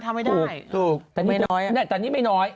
ทำไม่ได้ถูกถูกไม่น้อยอ่ะแต่อันนี้ไม่น้อย